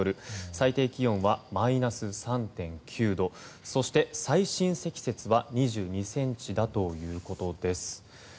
最低気温はマイナス３．９度そして、最深積雪は２２ｃｍだということです。